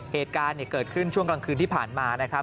เหตุการณ์เกิดขึ้นช่วงกลางคืนที่ผ่านมานะครับ